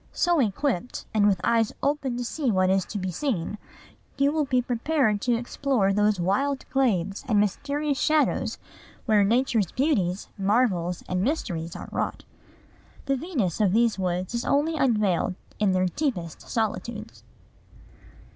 So equipped, and with eyes open to see what is to be seen, you will be prepared to explore those wild glades and mysterious shadows where Nature's beauties, marvels, and mysteries are wrought. The Venus of these woods is only unveiled in their deepest solitudes."